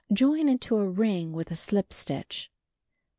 Join into a ring with a slip stitch.